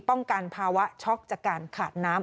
ป้องกันภาวะช็อกจากการขาดน้ำ